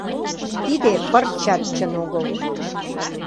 Тиде пырчат чын огыл.